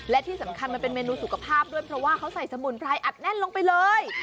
และที่สำคัญมันเป็นเมนูสุขภาพด้วยเพราะว่าเขาใส่สมุนไพรอัดแน่นลงไปเลย